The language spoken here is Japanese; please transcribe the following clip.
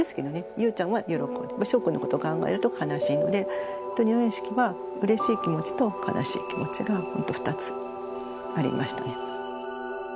ゆうちゃんは喜んででもしょうくんのこと考えると悲しいので入園式はうれしい気持ちと悲しい気持ちが２つありましたね。